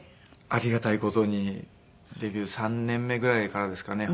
ありがたい事にデビュー３年目ぐらいからですかね